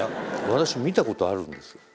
私見たことあるんです。